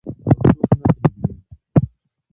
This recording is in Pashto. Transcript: او څوک نه پریږدي.